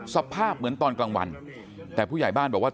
สภาพเหมือนตอนกลางวันแต่ผู้ใหญ่บ้านบอกว่า